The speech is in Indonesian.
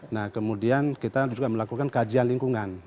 nah kemudian kita juga melakukan kajian lingkungan